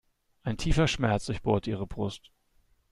Ein tiefer Schmerz durchbohrte ihre Brust.